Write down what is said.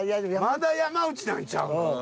まだ山内なんちゃうの。